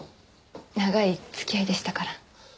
長い付き合いでしたから。